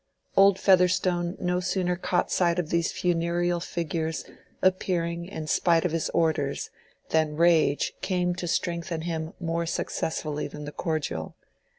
Old Featherstone no sooner caught sight of these funereal figures appearing in spite of his orders than rage came to strengthen him more successfully than the cordial.